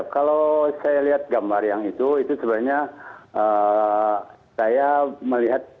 kalau saya lihat gambar yang itu itu sebenarnya saya melihat